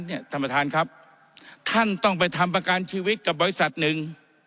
ท่านประธานครับท่านต้องไปทำประกันชีวิตกับบริษัทหนึ่ง